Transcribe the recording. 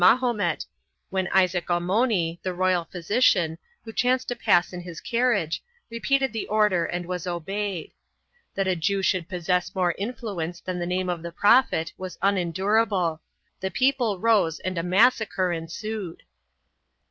52 THE JEWS AND THE MOOES [BOOK I Mahomet, when Isaac Amoni, the royal physician, who chanced to pass in his carriage, repeated the order and was obeyed. That a Jew should possess more influence than the name of the Prophet was unendurable; the people rose and a massacre ensued.